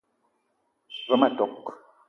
Ve ma tok :